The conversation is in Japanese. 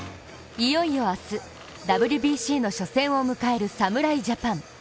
いよいよ明日、ＷＢＣの初戦を迎える侍ジャパン。